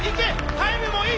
タイムもいい！